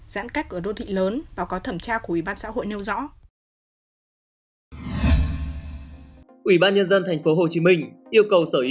giãn cách ở đô thị lớn và có thẩm tra của ủy ban xã hội nêu rõ